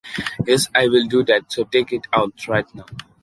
Yes, I will do that. So take it out right now.